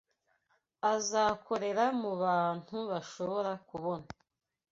Azakorera mu bantu bashobora kubona